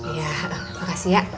ya makasih ya